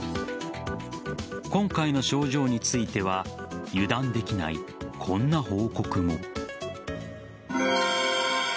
今回の症状については油断できない、こんな報告も。